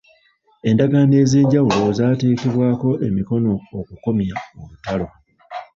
Endagaano ez'enjawulo zaateekebwako emikono okukomya olutalo.